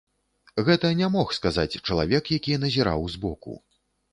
Гэта не мог сказаць чалавек, які назіраў збоку.